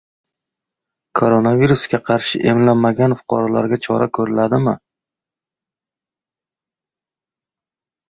Koronavirusga qarshi emlanmagan fuqarolarga chora ko‘riladimi?